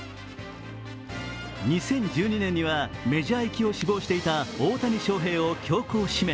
２０１２年にはメジャー行きを志望していた大谷翔平を強行指名。